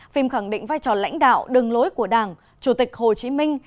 phim khẳng định vai trò lãnh đạo đường lối của đảng chủ tịch hồ chí minh